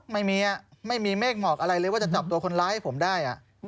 ไม่มีไม่มีเมฆหมอกอะไรเลยว่าจะจับตัวคนร้ายให้ผมได้